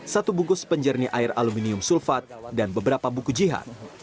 satu bungkus penjernih air aluminium sulfat dan beberapa buku jihad